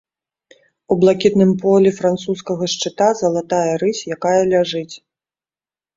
У блакітным полі французскага шчыта залатая рысь, якая ляжыць.